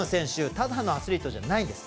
ただのアスリートじゃないんです。